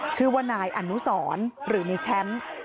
ชื่อว่านายอนุสรหรือในแชมป์